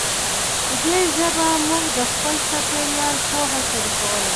په دې ژبه موږ د خپل چاپېریال پوهه شریکوله.